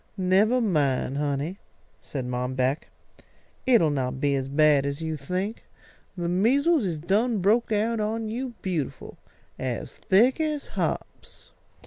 "Nevah mine, honey," said Mom Beck. "It'll not be as bad as you think. The measles is done broke out on you beautiful as thick as hops."